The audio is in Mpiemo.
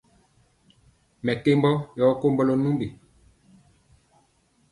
Mɛkembɔ yɔ kombolɔ numbi.